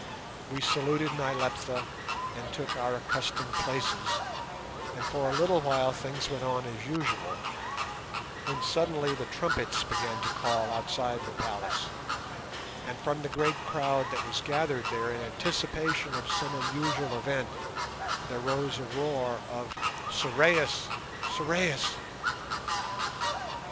We saluted Nyleptha and took our accustomed places, and for a little while things went on as usual, when suddenly the trumpets began to call outside the palace, and from the great crowd that was gathered there in anticipation of some unusual event there rose a roar of "_Sorais! Sorais!